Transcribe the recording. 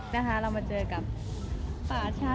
นะคะเรามาเจอกับป่าช้า